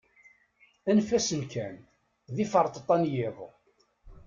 Anef-asen kan, d iferṭeṭṭa n yiḍ.